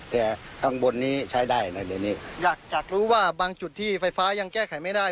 แต่ข้างบนนี้ใช้ได้นะเดี๋ยวนี้อยากอยากรู้ว่าบางจุดที่ไฟฟ้ายังแก้ไขไม่ได้